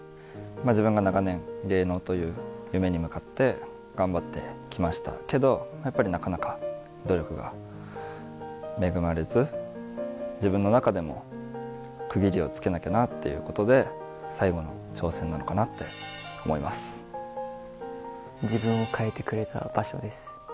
自分が長年、芸能という夢に向かって頑張ってきましたけど、やっぱりなかなか努力が恵まれず、自分の中でも区切りをつけなきゃなっていうことで、最後の挑戦な自分を変えてくれた場所です。